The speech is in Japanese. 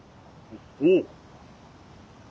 おう。